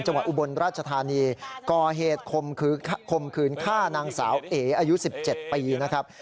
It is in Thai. อุบลราชธานีก่อเหตุคมคืนฆ่านางสาวเออายุ๑๗ปีนะครับ